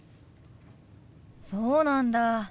そうなんだ。